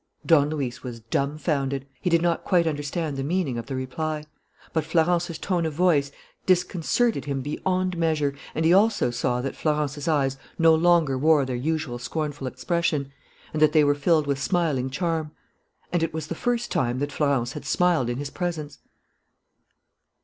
Don Luis was dumfounded. He did not quite understand the meaning of the reply; but Florence's tone of voice disconcerted him beyond measure, and he also saw that Florence's eyes no longer wore their usual scornful expression and that they were filled with smiling charm. And it was the first time that Florence had smiled in his presence.